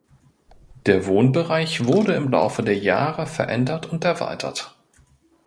Der Wohnbereich wurde im Laufe der Jahre verändert und erweitert.